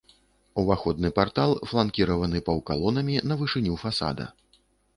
Уваходны партал фланкіраваны паўкалонамі на вышыню фасада.